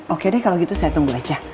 oke deh kalau gitu saya tunggu aja